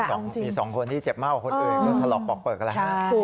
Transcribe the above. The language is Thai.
มี๒คนที่เจ็บมากกว่าคนอื่นก็ถลอกปอกเปลือกกันแหละ